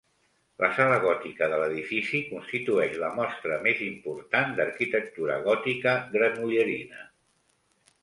La sala gòtica de l'edifici constitueix la mostra més important d'arquitectura gòtica granollerina.